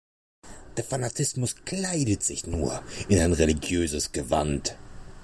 Der Fanatismus kleidet sich nur in ein religiöses Gewand.